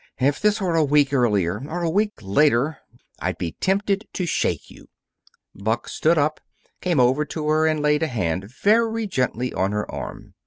If this were a week earlier or a week later, I'd be tempted to shake you!" Buck stood up, came over to her, and laid a hand very gently on her arm.